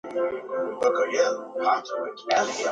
Linby is included in the Hidden Valleys area of Nottinghamshire.